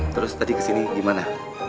terus tadi kesini gimana